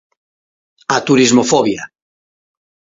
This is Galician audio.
A turismofobia.